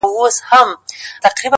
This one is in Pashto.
اسان به نه وي خو ديدن به دې کومه داسې;